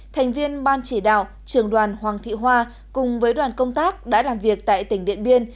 thành viên ban chỉ đạo trường đoàn hoàng thị hoa cùng với đoàn công tác đã làm việc tại tỉnh điện biên